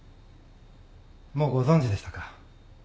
もうご存じでしたか。